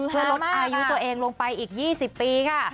เพื่อลดอายุตัวเองลงไปอีก๒๐ปีค่ะ